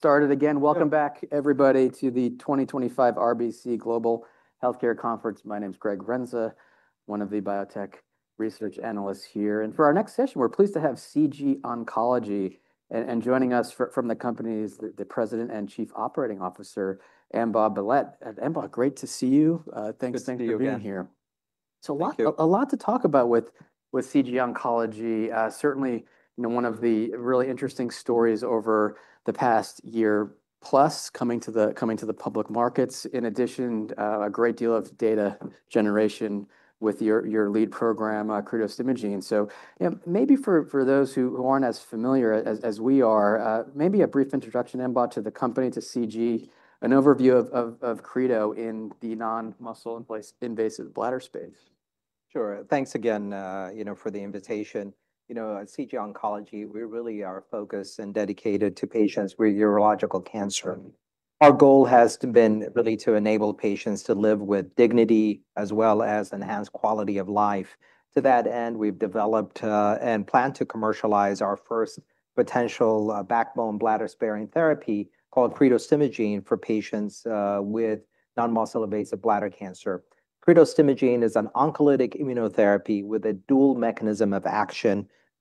Started again. Welcome back, everybody, to the 2025 RBC Global Healthcare Conference. My name is Greg Renza, one of the Biotech Research Analysts here. For our next session, we're pleased to have CG Oncology joining us from the company's President and Chief Operating Officer, Ambaw Bellette. Ambaw, great to see you. Thanks for being here. Thank you. A lot to talk about with CG Oncology. Certainly, one of the really interesting stories over the past year-plus coming to the public markets. In addition, a great deal of data generation with your lead program, cretostimogene. Maybe for those who aren't as familiar as we are, maybe a brief introduction, Ambaw, to the company, to CG, an overview of cretostimogene in the non-muscle invasive bladder space. Sure. Thanks again for the invitation. You know, at CG Oncology, we really are focused and dedicated to patients with urological cancer. Our goal has been really to enable patients to live with dignity as well as enhance quality of life. To that end, we've developed and plan to commercialize our first potential backbone bladder-sparing therapeutic called cretostimogene for patients with non-muscle invasive bladder cancer. Cretostimogene is an oncolytic immunotherapy with a dual mechanism of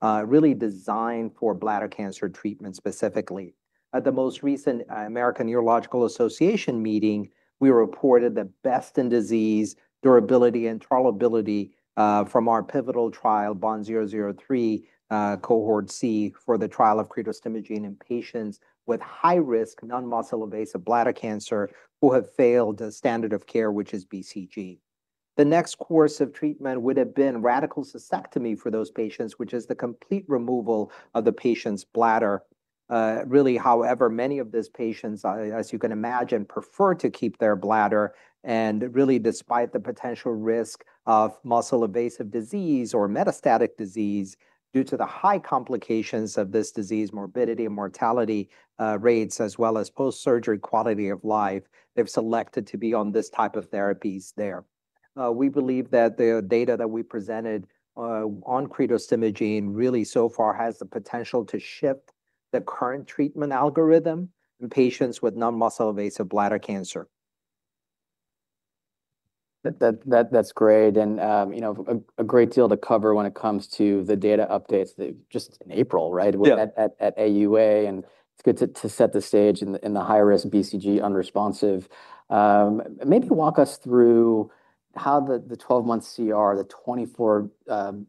action, really designed for bladder cancer treatment specifically. At the most recent American Urological Association meeting, we reported the best in disease durability and tolerability from our pivotal trial, BOND-003 Cohort C, for the trial of cretostimogene in patients with high-risk non-muscle invasive bladder cancer who have failed the standard of care, which is BCG. The next course of treatment would have been radical cystectomy for those patients, which is the complete removal of the patient's bladder. Really, however, many of these patients, as you can imagine, prefer to keep their bladder. Really, despite the potential risk of muscle invasive disease or metastatic disease due to the high complications of this disease, morbidity and mortality rates, as well as post-surgery quality of life, they've selected to be on this type of therapies there. We believe that the data that we presented on cretostimogene really so far has the potential to shift the current treatment algorithm in patients with non-muscle invasive bladder cancer. That's great. And a great deal to cover when it comes to the data updates just in April, right, at AUA. It's good to set the stage in the high-risk BCG-unresponsive. Maybe walk us through how the 12-month CR, the 24-month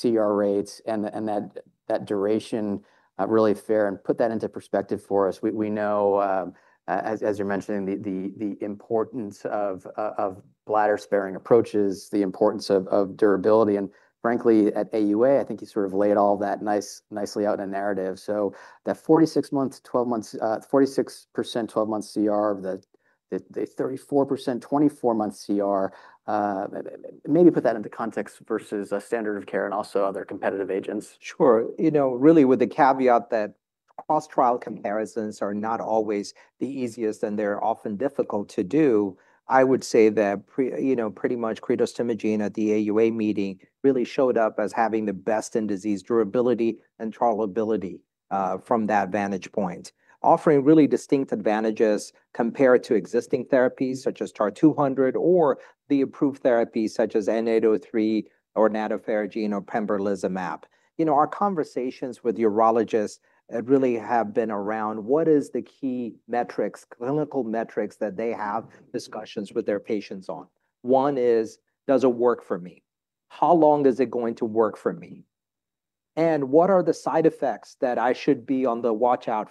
CR rates, and that duration really fare, and put that into perspective for us. We know, as you're mentioning, the importance of bladder-sparing approaches, the importance of durability. And frankly, at AUA, I think you sort of laid all that nicely out in a narrative. That 46% 12-month CR, the 34% 24-month CR, maybe put that into context versus a standard of care and also other competitive agents. Sure. You know, really with the caveat that cross-trial comparisons are not always the easiest, and they're often difficult to do, I would say that pretty much cretostimogene at the AUA meeting really showed up as having the best in disease durability and tolerability from that vantage point, offering really distinct advantages compared to existing therapies such as TAR-200 or the approved therapies such as Anktiva or Nadofaragene or Pembrolizumab. You know, our conversations with urologists really have been around what are the key metrics, clinical metrics that they have discussions with their patients on. One is, does it work for me? How long is it going to work for me? And what are the side effects that I should be on the watch out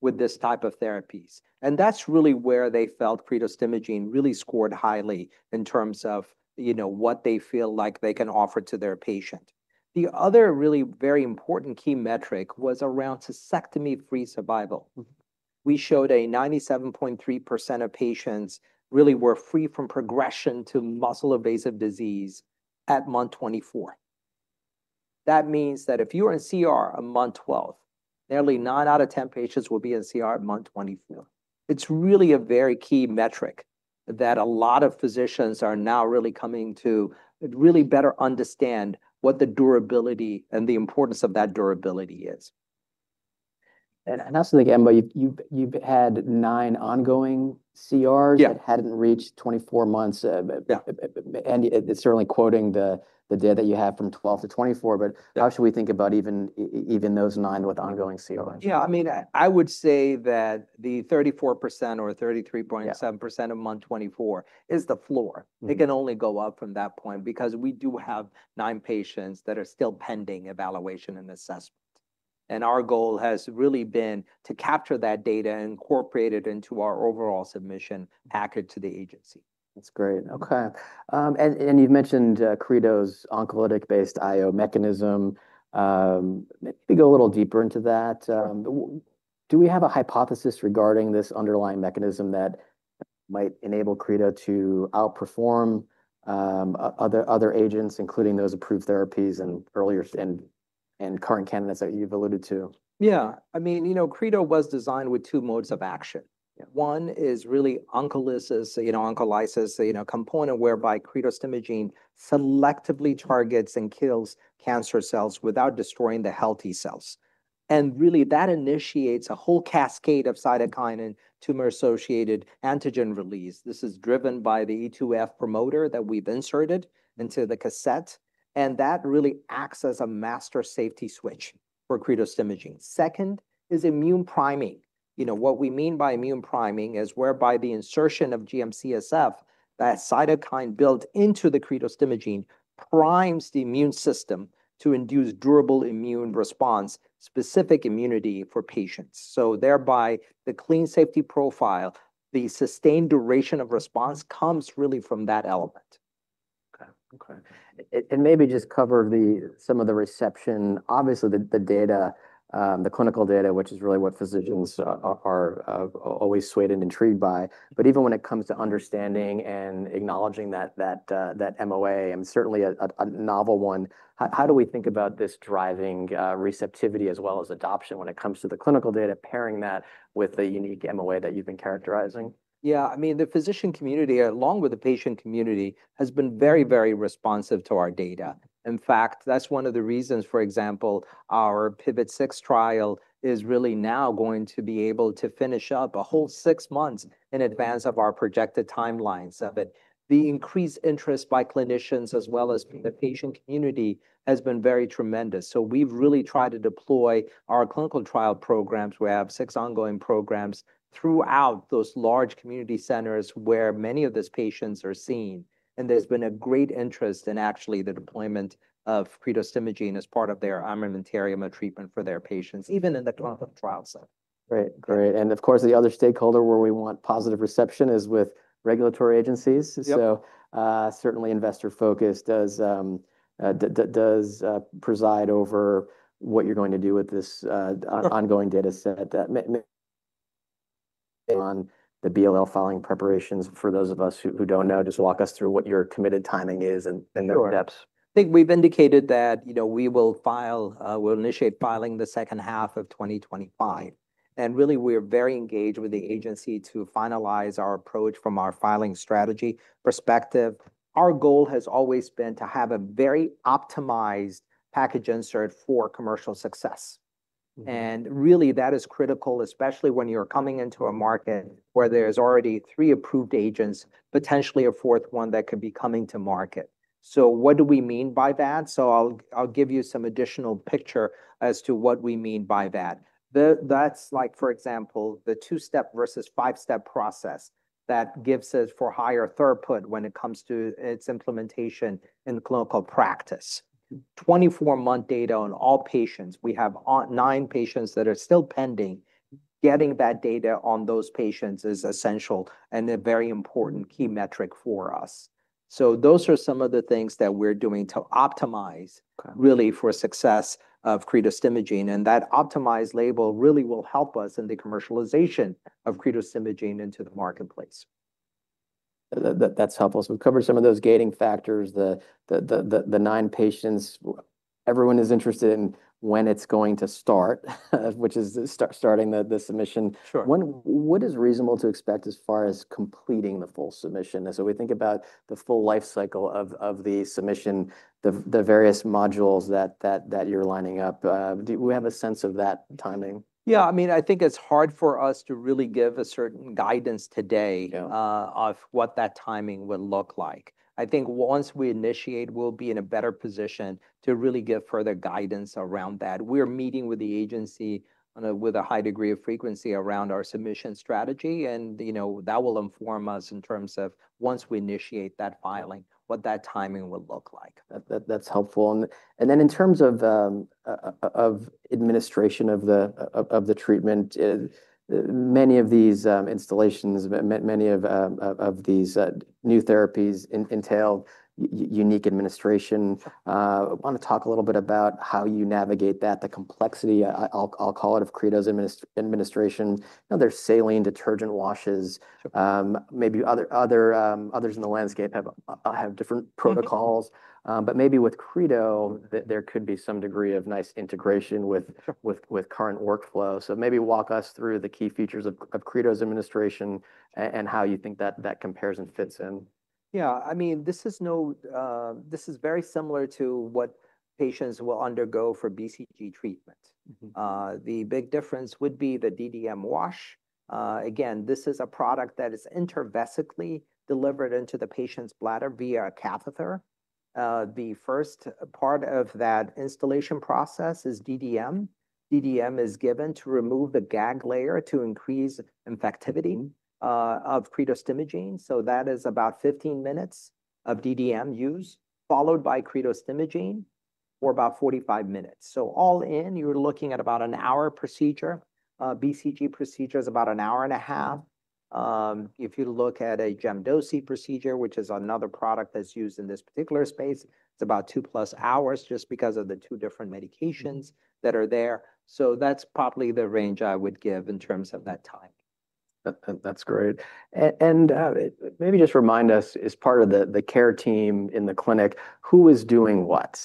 for with this type of therapies? That's really where they felt KRITOS Imaging really scored highly in terms of what they feel like they can offer to their patient. The other really very important key metric was around cystectomy-free survival. We showed a 97.3% of patients really were free from progression to muscle invasive disease at month 24. That means that if you are in CR on month 12, nearly nine out of ten patients will be in CR at month 24. It's really a very key metric that a lot of physicians are now really coming to really better understand what the durability and the importance of that durability is. I'll say again, but you've had nine ongoing CRs that hadn't reached 24 months. Certainly quoting the data that you have from 12 to 24, but how should we think about even those nine with ongoing CRs? Yeah, I mean, I would say that the 34% or 33.7% at month 24 is the floor. It can only go up from that point because we do have nine patients that are still pending evaluation and assessment. Our goal has really been to capture that data and incorporate it into our overall submission packet to the agency. That's great. Okay. You mentioned cretostimogene oncolytic-based IO mechanism. Maybe go a little deeper into that. Do we have a hypothesis regarding this underlying mechanism that might enable cretostimogene to outperform other agents, including those approved therapies and earlier and current candidates that you've alluded to? Yeah. I mean, you know, cretostimogene was designed with two modes of action. One is really oncolysis, oncolysis component whereby cretostimogene selectively targets and kills cancer cells without destroying the healthy cells. I mean, that initiates a whole cascade of cytokine and tumor-associated antigen release. This is driven by the E2F promoter that we've inserted into the cassette. That really acts as a master safety switch for cretostimogene. Second is immune priming. You know, what we mean by immune priming is whereby the insertion of GM-CSF, that cytokine built into the cretostimogene, primes the immune system to induce durable immune response, specific immunity for patients. Thereby, the clean safety profile, the sustained duration of response comes really from that element. Okay. Okay. Maybe just cover some of the reception. Obviously, the data, the clinical data, which is really what physicians are always swayed and intrigued by. Even when it comes to understanding and acknowledging that MOA, I mean, certainly a novel one, how do we think about this driving receptivity as well as adoption when it comes to the clinical data, pairing that with the unique MOA that you've been characterizing? Yeah. I mean, the physician community, along with the patient community, has been very, very responsive to our data. In fact, that's one of the reasons, for example, our PIVOT-6 trial is really now going to be able to finish up a whole six months in advance of our projected timelines of it. The increased interest by clinicians as well as the patient community has been very tremendous. We've really tried to deploy our clinical trial programs. We have six ongoing programs throughout those large community centers where many of these patients are seen. There's been a great interest in actually the deployment of Cretostimogene as part of their armamentarium of treatment for their patients, even in the clinical trial setting. Great. Great. Of course, the other stakeholder where we want positive reception is with regulatory agencies. Certainly investor focus does preside over what you're going to do with this ongoing data set on the BLA filing preparations. For those of us who don't know, just walk us through what your committed timing is and the depths. Sure. I think we've indicated that, you know, we will initiate filing the second half of 2025. Really, we're very engaged with the agency to finalize our approach from our filing strategy perspective. Our goal has always been to have a very optimized package insert for commercial success. Really, that is critical, especially when you're coming into a market where there's already three approved agents, potentially a fourth one that could be coming to market. What do we mean by that? I'll give you some additional picture as to what we mean by that. That's like, for example, the two-step versus five-step process that gives us for higher throughput when it comes to its implementation in clinical practice. 24-month data on all patients. We have nine patients that are still pending. Getting that data on those patients is essential and a very important key metric for us. Those are some of the things that we're doing to optimize really for success of CG Oncology. That optimized label really will help us in the commercialization of CG Oncology into the marketplace. That's helpful. So we've covered some of those gating factors, the nine patients. Everyone is interested in when it's going to start, which is starting the submission. What is reasonable to expect as far as completing the full submission? We think about the full life cycle of the submission, the various modules that you're lining up. Do we have a sense of that timing? Yeah. I mean, I think it's hard for us to really give a certain guidance today of what that timing would look like. I think once we initiate, we'll be in a better position to really give further guidance around that. We're meeting with the agency with a high degree of frequency around our submission strategy. That will inform us in terms of once we initiate that filing, what that timing will look like. That's helpful. In terms of administration of the treatment, many of these instillations, many of these new therapies entail unique administration. I want to talk a little bit about how you navigate that, the complexity, I'll call it, of cretostimogene administration. There's saline, detergent washes. Maybe others in the landscape have different protocols. Maybe with cretostimogene, there could be some degree of nice integration with current workflow. Maybe walk us through the key features of cretostimogene administration and how you think that compares and fits in. Yeah. I mean, this is very similar to what patients will undergo for BCG treatment. The big difference would be the DDM wash. Again, this is a product that is intravesically delivered into the patient's bladder via a catheter. The first part of that instillation process is DDM. DDM is given to remove the GAG layer to increase infectivity of cretostimogene. So that is about 15 minutes of DDM use, followed by cretostimogene for about 45 minutes. All in, you're looking at about a one hour procedure. BCG procedure is about an hour and a half. If you look at a gemcitabine procedure, which is another product that's used in this particular space, it's about two plus hours just because of the two different medications that are there. That's probably the range I would give in terms of that time. That's great. Maybe just remind us, as part of the care team in the clinic, who is doing what?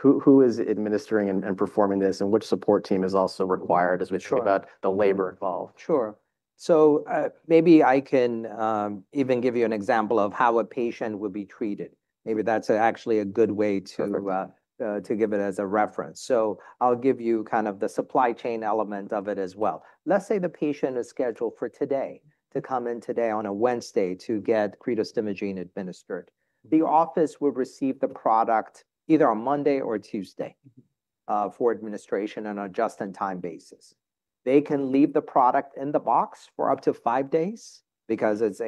Who is administering and performing this? Which support team is also required as we talk about the labor involved? Sure. Maybe I can even give you an example of how a patient would be treated. Maybe that's actually a good way to give it as a reference. I'll give you kind of the supply chain element of it as well. Let's say the patient is scheduled for today to come in today on a Wednesday to get cretostimogene administered. The office will receive the product either on Monday or Tuesday for administration on a just-in-time basis. They can leave the product in the box for up to five days because it's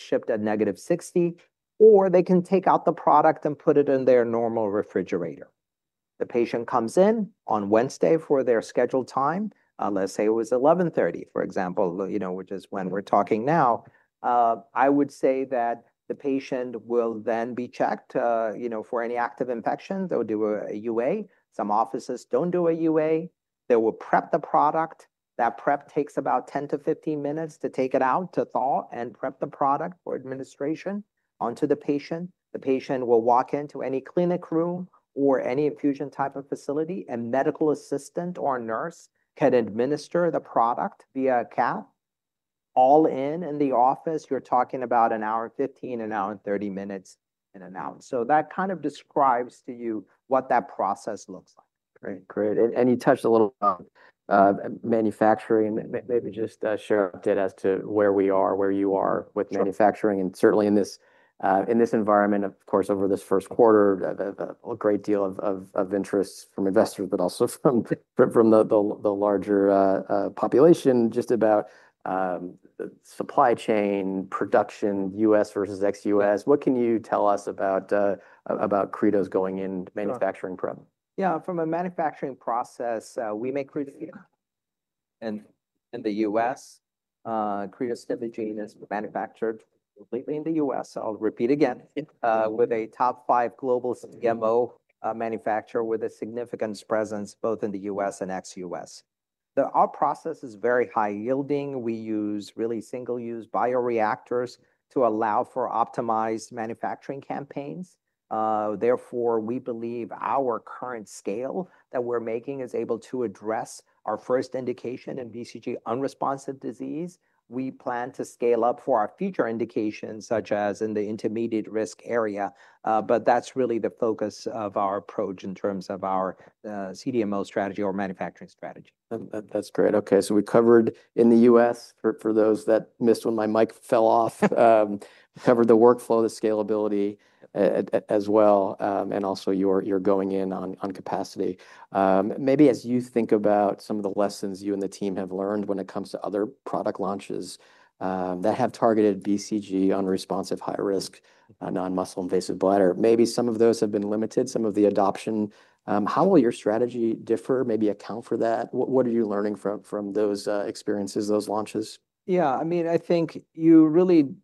shipped at negative 60 degrees Celsius, or they can take out the product and put it in their normal refrigerator. The patient comes in on Wednesday for their scheduled time. Let's say it was 11:30 A.M., for example, which is when we're talking now. I would say that the patient will then be checked for any active infection. They'll do a UA. Some offices don't do a UA. They will prep the product. That prep takes about 10 to 15 minutes to take it out, to thaw, and prep the product for administration onto the patient. The patient will walk into any clinic room or any infusion type of facility, and medical assistant or nurse can administer the product via a cath. All in, in the office, you're talking about an hour and 15, an hour and 30 minutes, and an hour. That kind of describes to you what that process looks like. Great. Great. You touched a little on manufacturing. Maybe just share a bit as to where we are, where you are with manufacturing. Certainly in this environment, of course, over this first quarter, a great deal of interest from investors, but also from the larger population, just about supply chain production, U.S. versus ex-U.S.. What can you tell us about cretostimogene going in manufacturing? Yeah. From a manufacturing process, we make cretostimogene in the U.S.. Cretostimogene is manufactured completely in the U.S.. I'll repeat again, with a top five global CMO manufacturer with a significant presence both in the U.S. and ex-U.S.. Our process is very high yielding. We use really single-use bioreactors to allow for optimized manufacturing campaigns. Therefore, we believe our current scale that we're making is able to address our first indication in BCG-unresponsive disease. We plan to scale up for our future indications, such as in the intermediate-risk area. That is really the focus of our approach in terms of our CDMO strategy or manufacturing strategy. That's great. Okay. So we covered in the U.S., for those that missed when my mic fell off, covered the workflow, the scalability as well, and also your going in on capacity. Maybe as you think about some of the lessons you and the team have learned when it comes to other product launches that have targeted BCG-unresponsive high-risk non-muscle invasive bladder, maybe some of those have been limited, some of the adoption. How will your strategy differ? Maybe account for that? What are you learning from those experiences, those launches? Yeah. I mean, I think you really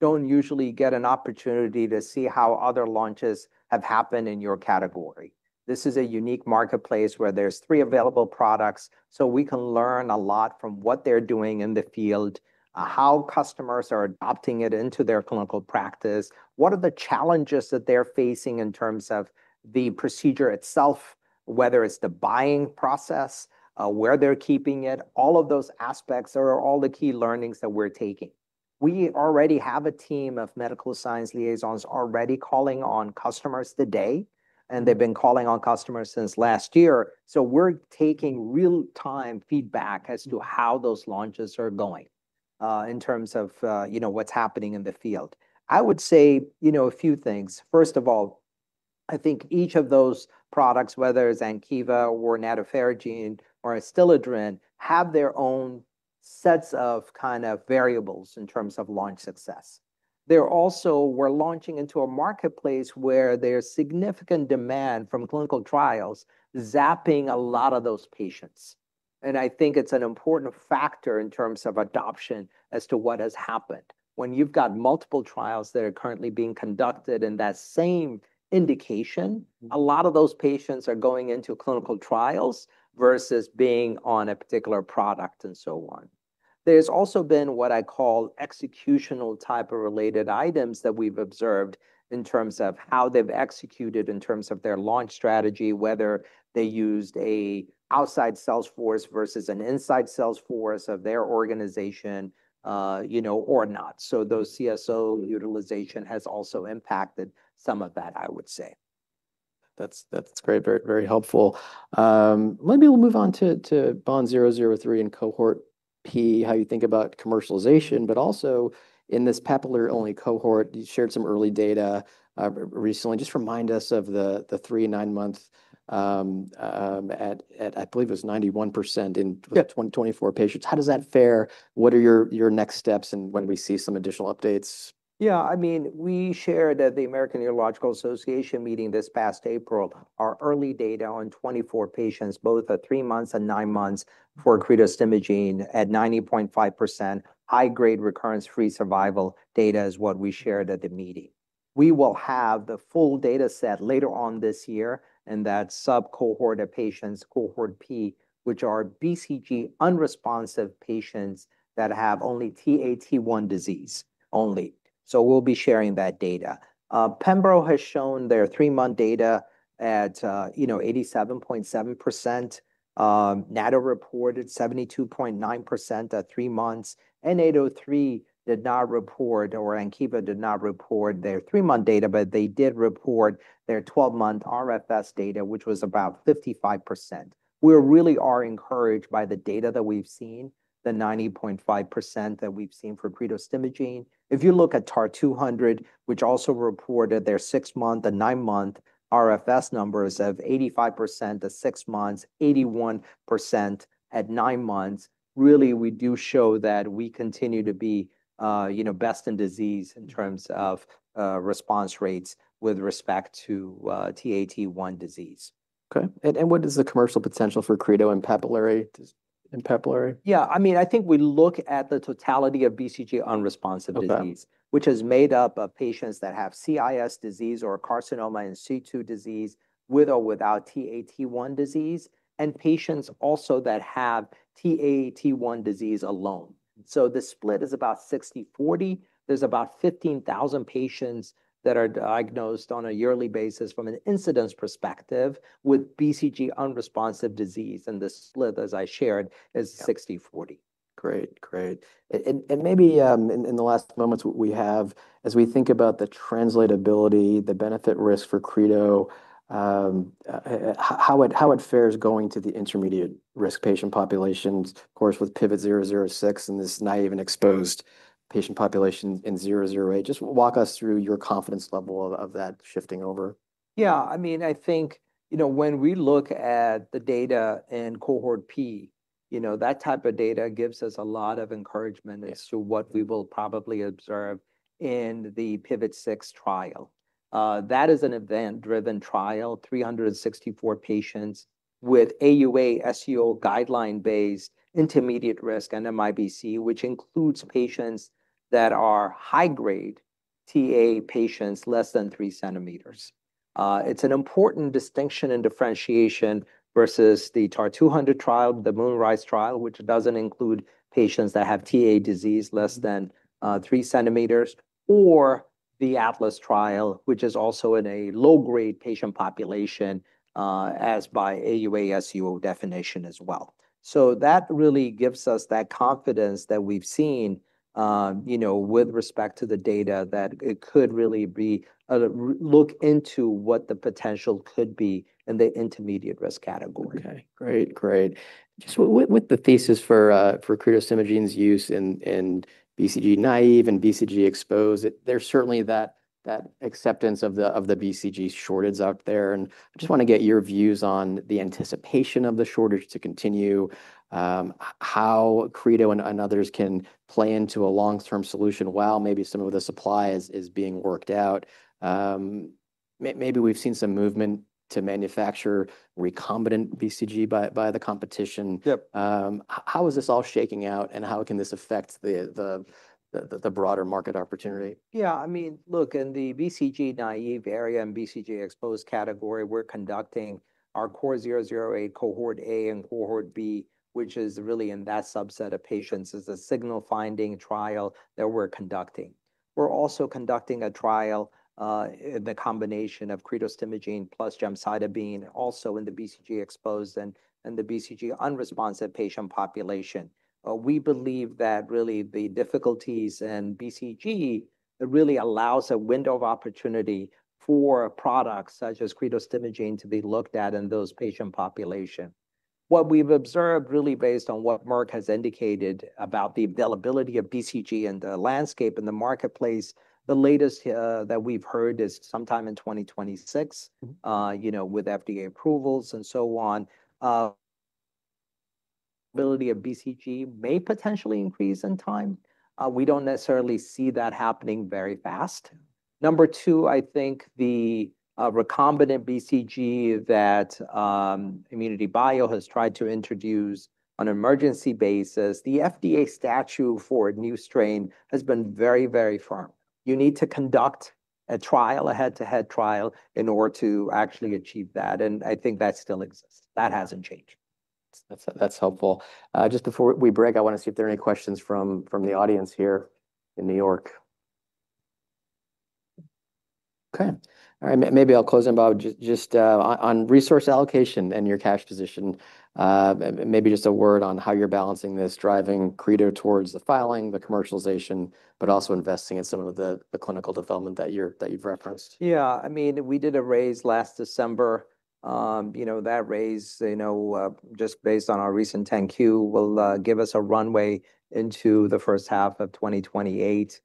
do not usually get an opportunity to see how other launches have happened in your category. This is a unique marketplace where there are three available products. We can learn a lot from what they are doing in the field, how customers are adopting it into their clinical practice, what are the challenges that they are facing in terms of the procedure itself, whether it is the buying process, where they are keeping it. All of those aspects are all the key learnings that we are taking. We already have a team of medical science liaisons already calling on customers today. They have been calling on customers since last year. We are taking real-time feedback as to how those launches are going in terms of what is happening in the field. I would say a few things. First of all, I think each of those products, whether it's Anktiva or Nadofaragene or Adstiladrin, have their own sets of kind of variables in terms of launch success. They're also, we're launching into a marketplace where there's significant demand from clinical trials zapping a lot of those patients. I think it's an important factor in terms of adoption as to what has happened. When you've got multiple trials that are currently being conducted in that same indication, a lot of those patients are going into clinical trials versus being on a particular product and so on. There's also been what I call executional type of related items that we've observed in terms of how they've executed in terms of their launch strategy, whether they used an outside sales force versus an inside sales force of their organization or not. Those CSO utilization has also impacted some of that, I would say. That's great. Very helpful. Maybe we'll move on to BOND-003 and Cohort P, how you think about commercialization. Also, in this papillary-only cohort, you shared some early data recently. Just remind us of the three- and nine-month, I believe it was 91% in 2024 patients. How does that fare? What are your next steps and when will we see some additional updates? Yeah. I mean, we shared at the American Urological Association meeting this past April our early data on 24 patients, both at three months and nine months for cretostimogene at 90.5%, high-grade recurrence-free survival data is what we shared at the meeting. We will have the full data set later on this year in that sub-cohort of patients, Cohort P, which are BCG-unresponsive patients that have only TaT1 disease only. So we'll be sharing that data. Pembro has shown their three-month data at 87.7%. Nado reported 72.9% at three months. N-803 did not report or Anktiva did not report their three-month data, but they did report their 12-month RFS data, which was about 55%. We really are encouraged by the data that we've seen, the 90.5% that we've seen for cretostimogene. If you look at TAR-200, which also reported their six-month and nine-month RFS numbers of 85% at six months, 81% at nine months, really we do show that we continue to be best in disease in terms of response rates with respect to TaT1 disease. Okay. And what is the commercial potential for cretostimogene in papillary? Yeah. I mean, I think we look at the totality of BCG-unresponsive disease, which is made up of patients that have CIS disease or carcinoma in situ disease with or without TaT1 disease, and patients also that have TaT1 disease alone. The split is about 60-40. There are about 15,000 patients that are diagnosed on a yearly basis from an incidence perspective with BCG-unresponsive disease. The split, as I shared, is 60-40. Great. Great. Maybe in the last moments we have, as we think about the translatability, the benefit risk for cretostimogene, how it fares going to the intermediate-risk patient populations, of course, with PIVOT-006 and this naive and exposed patient population in 008. Just walk us through your confidence level of that shifting over. Yeah. I mean, I think when we look at the data in Cohort P, that type of data gives us a lot of encouragement as to what we will probably observe in the PIVOT 6 trial. That is an event-driven trial, 364 patients with AUA/SUO guideline-based intermediate-risk NMIBC, which includes patients that are high-grade Ta patients less than 3 cm. It's an important distinction and differentiation versus the TAR-200 trial, the Moonrise trial, which doesn't include patients that have Ta disease less than 3 cm, or the Atlas trial, which is also in a low-grade patient population as by AUA/SUO definition as well. That really gives us that confidence that we've seen with respect to the data that it could really be a look into what the potential could be in the intermediate-risk category. Okay. Great. Great. Just with the thesis for cretostimogene's use in BCG-naive and BCG-exposed, there's certainly that acceptance of the BCG shortage out there. I just want to get your views on the anticipation of the shortage to continue, how cretostimogene and others can play into a long-term solution while maybe some of the supply is being worked out. Maybe we've seen some movement to manufacture recombinant BCG by the competition. How is this all shaking out, and how can this affect the broader market opportunity? Yeah. I mean, look, in the BCG-naive area and BCG-exposed category, we're conducting our CORE-008, Cohort A and Cohort B, which is really in that subset of patients as a signal-finding trial that we're conducting. We're also conducting a trial in the combination of cretostimogene plus gemcitabine also in the BCG-exposed and the BCG-unresponsive patient population. We believe that really the difficulties in BCG really allow a window of opportunity for products such as cretostimogene to be looked at in those patient populations. What we've observed really, based on what Merck has indicated about the availability of BCG in the landscape in the marketplace, the latest that we've heard is sometime in 2026 with FDA approvals and so on. The availability of BCG may potentially increase in time. We don't necessarily see that happening very fast. Number two, I think the recombinant BCG that ImmunityBio has tried to introduce on an emergency basis, the FDA statute for a new strain has been very, very firm. You need to conduct a trial, a head-to-head trial in order to actually achieve that. I think that still exists. That has not changed. That's helpful. Just before we break, I want to see if there are any questions from the audience here in New York. Okay. All right. Maybe I'll close in, Ambaw, just on resource allocation and your cash position. Maybe just a word on how you're balancing this, driving cretostimogene towards the filing, the commercialization, but also investing in some of the clinical development that you've referenced. Yeah. I mean, we did a raise last December. That raise, just based on our recent 10Q, will give us a runway into the first half of 2028.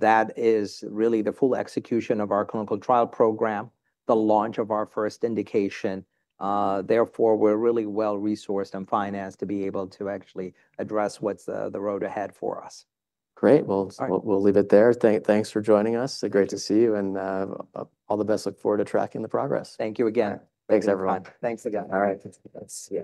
That is really the full execution of our clinical trial program, the launch of our first indication. Therefore, we're really well-resourced and financed to be able to actually address what's the road ahead for us. Great. We'll leave it there. Thanks for joining us. Great to see you. All the best. Look forward to tracking the progress. Thank you again. Thanks, everyone. Thanks again. All right. Let's see.